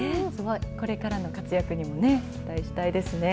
これからの活躍にもね、期待したいですね。